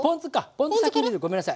ポン酢先に入れるごめんなさい。